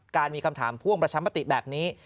มีคำถามพ่วงประชามติแบบนี้